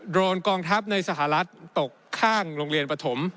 โดนกองทัพในสหรัฐตกข้างโรงเรียนปฐม